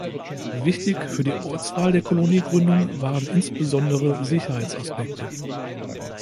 Wichtig für die Ortswahl der Koloniegründung waren insbesondere Sicherheitsaspekte.